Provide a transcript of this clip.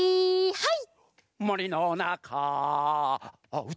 はい！